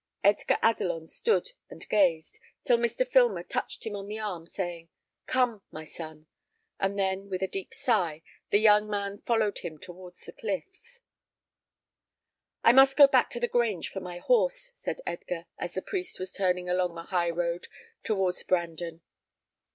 Edgar Adelon stood and gazed, till Mr. Filmer touched him on the arm, saying, "Come, my son;" and then, with a deep sigh, the young man followed him towards the cliffs. "I must go back to the Grange for my horse," said Edgar, as the priest was turning along the high road towards Brandon.